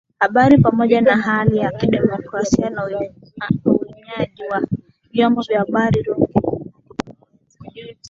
habari Pamoja na hali ya kidemokrasia na uminyaji wa vyombo vya habari Ruge aliweza